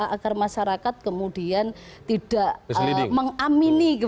agar masyarakat kemudian tidak mengamini